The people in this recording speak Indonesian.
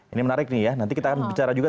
ini menarik nih ya nanti kita akan bicara juga